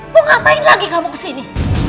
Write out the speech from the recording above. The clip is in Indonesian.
mau ngapain lagi kamu kesini